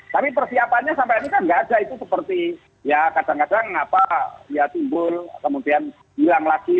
tapi persiapannya sampai ini kan nggak ada itu seperti ya kadang kadang apa ya timbul kemudian hilang lagi